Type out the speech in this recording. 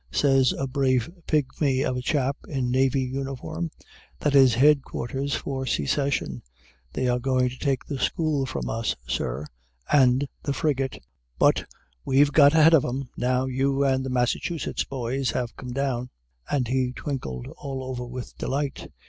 says a brave pigmy of a chap in navy uniform. "That is head quarters for Secession. They were going to take the School from us, Sir, and the frigate; but we've got ahead of 'em, now you and the Massachusetts boys have come down," and he twinkled all over with delight.